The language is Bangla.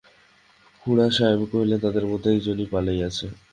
খুড়াসাহেব কহিলেন, তাহাদের মধ্যে একজন পালাইয়াছে।